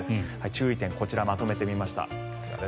注意点こちらまとめてみました。